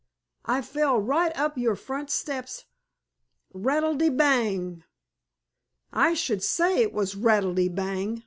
I fell right up your front steps, rattle te bang!" "I should say it was rattle te bang!"